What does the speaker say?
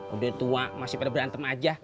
udah tua masih pada berantem aja